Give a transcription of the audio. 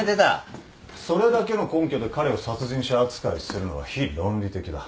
それだけの根拠で彼を殺人者扱いするのは非論理的だ。